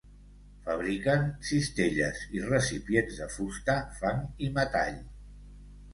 Fabriquen cistelles i recipients de fusta, fang i metall.